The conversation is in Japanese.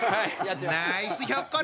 ナイスひょっこり！